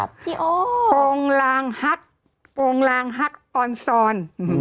พี่โอ๊คโปรงลางฮักษ์โปรงลางฮักษ์ออนซอน